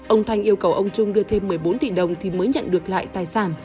ông thanh yêu cầu ông trung đưa thêm một mươi bốn tỷ đồng thì mới nhận được lại tài sản